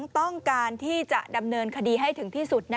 ต้องการที่จะดำเนินคดีให้ถึงที่สุด